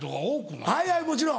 はいはいもちろん。